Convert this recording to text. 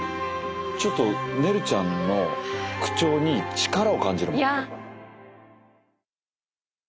ちょっとねるちゃんの口調に力を感じるもん。